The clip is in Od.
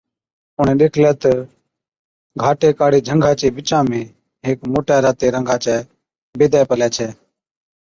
اُڻهين ڏيکلي تہ گھاٽي ڪاڙي جھنگا چي بِچا ۾ هيڪ موٽَي راتي رنگا چَي بيدَي پلَي ڇي۔